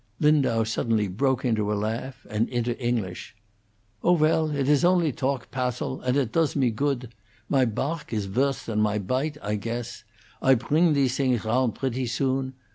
Lindau suddenly broke into a laugh and into English. "Oh, well, it is only dalk, Passil, and it toes me goodt. My parg is worse than my pidte, I cuess. I pring these things roundt bretty soon.